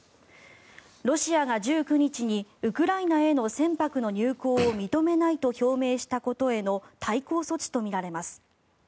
ロシアが１９日にウクライナへの船舶の入港を認めないと表明したことへの対抗措置とみられます。